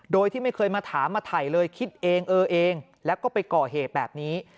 โดยที่ไม่เคยมาถามมาถ่ายเลยคิดเองเออเองแล้วก็ไปก่อเหตุแบบนี้